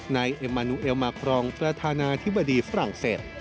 นายเอมานูเอลมาครองประธานาธิบดีฝรั่งเศส